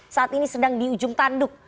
saat ini sedang di ujung tanduk